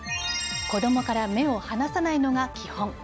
子供から目を離さないのが基本。